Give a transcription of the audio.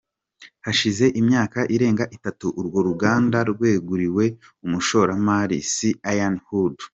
Hashize imyaka irenga itatu urwo ruganda rweguriwe umushoramari Sir Ian Hood.